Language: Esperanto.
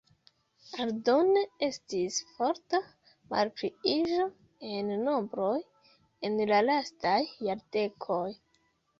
Aldone estis forta malpliiĝo en nombroj en la lastaj jardekoj.